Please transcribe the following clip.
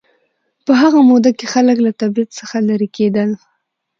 په هغه موده کې خلک له طبیعت څخه لېرې کېدل